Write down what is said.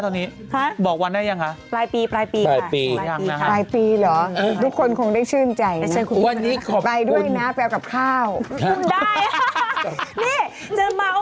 ต้องแบบว่านะทุกคนคงชื่นใจเธอน่ะ